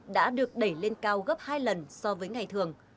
đã được đẩy lên cao gấp hai lần so với ngày thường